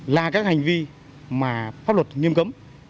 là các hành vi mà